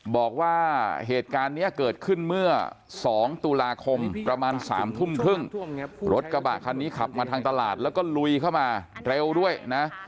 บอกว่าเหตุการณ์นี้เกิดขึ้นเมื่อ๒ตุลาคมประมาณ๓ทุ่มครึ่งรถกระบะคันนี้ขับมาทางตลาดแล้วก็ลุยเข้ามาเร็วด้วยนะ